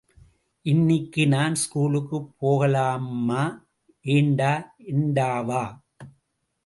இன்னிக்கு நான் ஸ்கூலுக்குப் போகலேம்மா ஏண்டா? ஏண்டாவா?